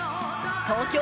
東京